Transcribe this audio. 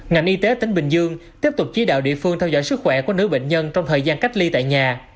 ngành y tế tỉnh bình dương tiếp tục chỉ đạo địa phương theo dõi sức khỏe của nữ bệnh nhân trong thời gian cách ly tại nhà